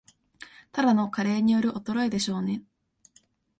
ただの加齢による衰えでしょうね